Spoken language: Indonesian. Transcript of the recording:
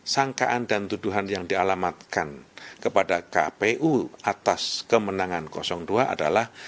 sangkaan dan tuduhan yang dialamatkan kepada kpu atas kemenangan dua adalah